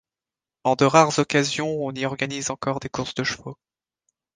En de rares occasions on y organise encore des courses de chevaux.